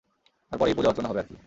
তারপর এই পূজা অর্চনা হবে আরকী।